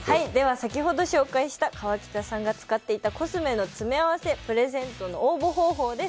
先ほど紹介した河北さんが使っていたコスメの詰め合わせプレゼントの応募方法です。